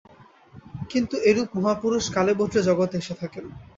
কিন্তু এরূপ মহাপুরুষ কালেভদ্রে জগতে এসে থাকেন।